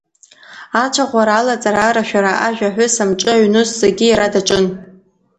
Ацәаӷәара, алаҵара, арашәара, ажә, аҳәыс, амҿы, аҩнус зегьы иара даҿын.